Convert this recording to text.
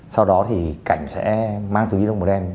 sau đó thì cảnh sẽ mang túi nhi lông màu đen